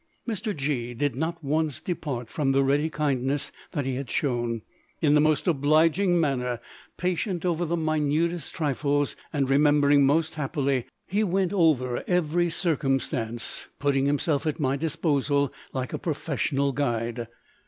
Mr. G— did not once depart from the ready kindness that he had shown. In the most obliging manner, patient over the minutest trifles, and remembering most happily, he went over every circumstance, putting himself at my disposal like a professional guide.